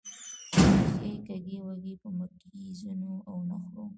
ریښې کږې وږې په مکیزونو او نخرو